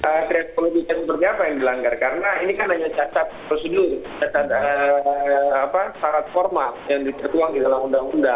eee kreativitas seperti apa yang dilanggar karena ini kan hanya catat prosedur catat eee apa syarat formal yang diperluangkan dalam undang undang